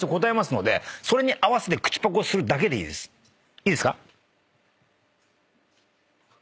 いいですか？